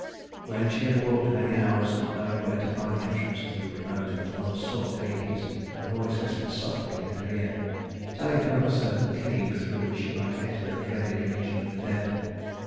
When she had walked many hours, not knowing where to find the entrance to remote and unsought Hades, a voice whispered softly in her ear, telling her of a certain cave through which she might enter the dreaded region of the dead.